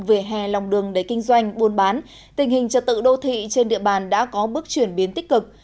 về hè lòng đường để kinh doanh buôn bán tình hình trật tự đô thị trên địa bàn đã có bước chuyển biến tích cực